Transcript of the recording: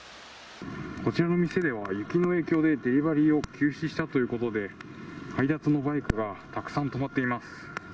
こちらの店では、雪の影響でデリバリーを休止したということで、配達のバイクがたくさん止まっています。